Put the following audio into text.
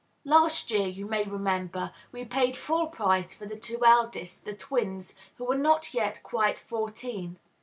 Last year, you may remember, we paid full price for the two eldest, the twins, who are not yet quite fourteen.